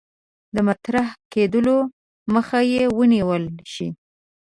د مطرح کېدلو مخه یې ونیول شي.